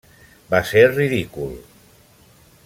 Va ser ridícul.